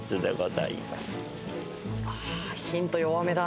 あーヒント弱めだ。